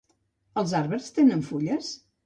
Els arbres tenen fulles?